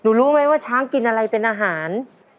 รู้ไหมว่าช้างกินอะไรเป็นอาหาร